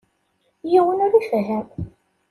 Yiwen ur ifehhem.